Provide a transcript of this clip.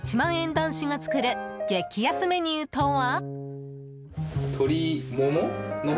男子が作る激安メニューとは？